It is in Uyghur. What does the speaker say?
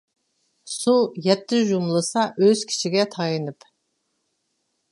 سۇ يەتتە يۇمىلىسا ئۆز كۈچىگە تايىنىپ.